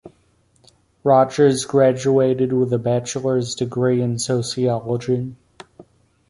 Rogers graduated with a bachelor's degree in sociology.